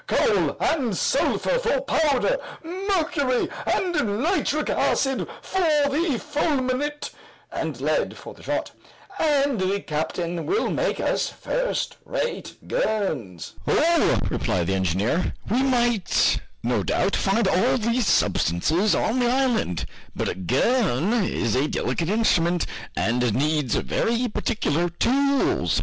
coal and sulphur for powder, mercury and nitric acid for the fulminate, and lead for the shot, and the captain will make us first rate guns." "Oh!" replied the engineer, "we might, no doubt, find all these substances on the island, but a gun is a delicate instrument, and needs very particular tools.